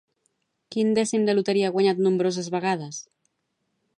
Quin dècim de loteria ha guanyat nombroses vegades?